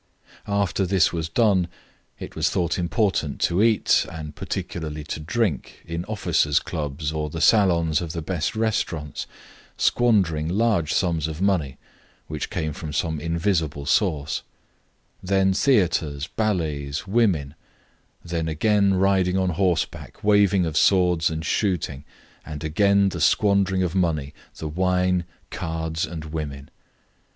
After this was done, it was thought important to eat, and particularly to drink, in officers' clubs or the salons of the best restaurants, squandering large sums of money, which came from some invisible source; then theatres, ballets, women, then again riding on horseback, waving of swords and shooting, and again the squandering of money, the wine, cards, and women.